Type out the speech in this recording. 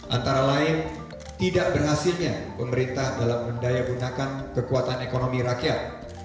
antara lain tidak berhasilnya pemerintah dalam mendayagunakan kekuatan ekonomi rakyat